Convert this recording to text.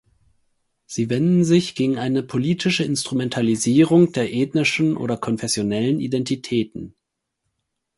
Sie wenden sich gegen eine politische Instrumentalisierung der ethnischen oder konfessionellen Identitäten.